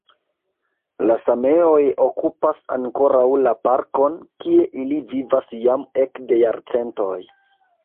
La sameoj okupas ankoraŭ la parkon, kie ili vivas jam ekde jarcentoj.